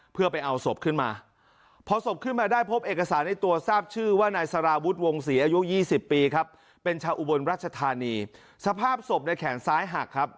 เป็นชาวอุบลรัชธานีสภาพศพในแขนซ้ายหักครับ